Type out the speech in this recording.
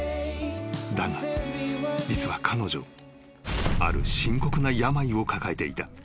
［だが実は彼女ある深刻な病を抱えていた］